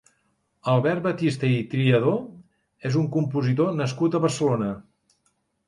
Albert Batiste i Triadó és un compositor nascut a Barcelona.